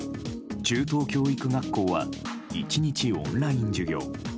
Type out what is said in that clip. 中等教育学校は１日オンライン授業。